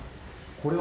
これは。